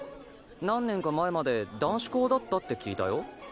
何年か前まで男子校だったって聞いたよ。